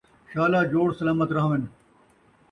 شالا جوڑ سلامت رہون